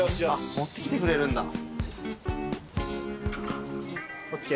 持ってきてくれるんだ。ＯＫ。